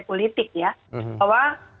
politik ya bahwa